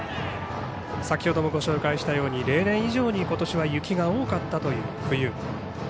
先ほどもご紹介したように例年以上に今年は雪が多かったという冬。